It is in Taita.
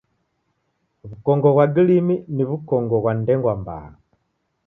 W'ukongo ghwa gilimi ni w'ukongo ghwa ndengwa mbaa.